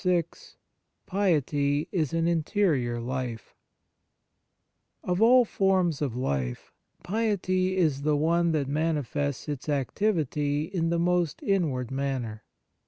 VI PIETY IS AN INTERIOR LIFE OF all forms of life, piety is the one that manifests its activity in the most inward manner.